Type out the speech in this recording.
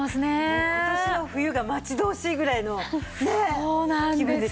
もう今年の冬が待ち遠しいぐらいのね気分です。